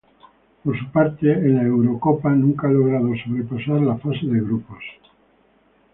Por su parte, en la Eurocopa nunca ha logrado sobrepasar la fase de grupos.